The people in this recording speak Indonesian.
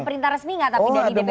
ada perintah resmi nggak tapi dari dpp